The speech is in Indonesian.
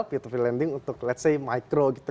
peer to peer lending untuk let's say micro gitu